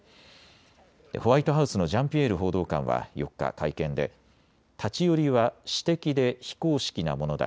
ホワイトハウスのジャンピエール報道官は４日、会見で立ち寄りは私的で非公式なものだ。